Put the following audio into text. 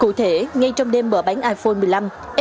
cụ thể ngay trong đêm mở bán iphone một mươi năm